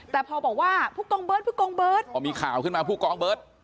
แต่พอบอกว่าผู้กองเบิร์ตผู้กองเบิร์ตพอมีข่าวขึ้นมาผู้กองเบิร์ต